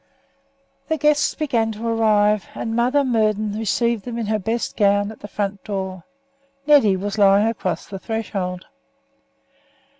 The guests began to arrive, and Mother Murden received them in her best gown at the front door. Neddy was lying across the threshold.